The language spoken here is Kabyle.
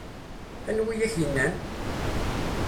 Anwa i ak-innan?